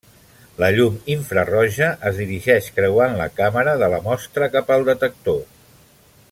La llum infraroja es dirigeix creuant la càmera de la mostra cap al detector.